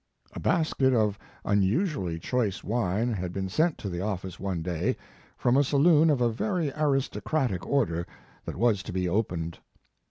A basket of unusually choice wine had been sent to the office one day, from a saloon of a very aristo cratic order that was to be opened.